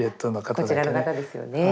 こちらの方ですよね。